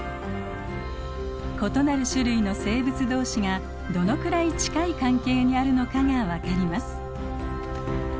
異なる種類の生物同士がどのくらい近い関係にあるのかが分かります。